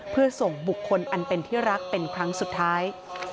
เพื่อส่งบุคคลอันเป็นที่รักเป็นครั้งสุดท้าย